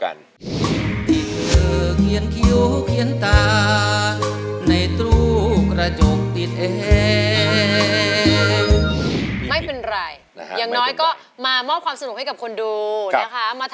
สดชื่นแจ่มใสเหมือนไม่มีอะไรเขิดขึ้น